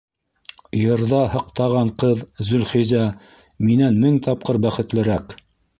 Йырҙа һыҡтаған ҡыҙ - Зөлхизә - минән мең тапҡыр бәхетлерәк.